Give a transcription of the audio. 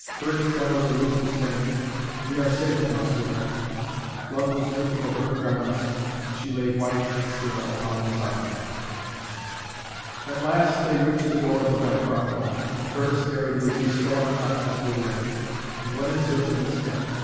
Curtis bent over Lucy, saying, "We are safe now, sweetheart!" Blood was dripping over her garments, and she lay white and still upon his arm. At last they reached the door of the Bancroft home, and Curtis carried Lucy, still unconscious, within, and went in search of Miss Dent.